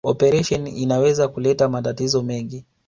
Operesheni inaweza kuleta matatizo mengi